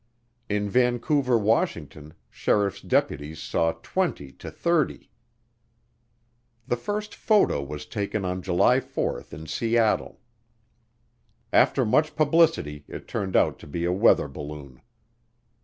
In Vancouver, Washington, sheriff's deputies saw twenty to thirty. The first photo was taken on July 4 in Seattle. After much publicity it turned out to be a weather balloon.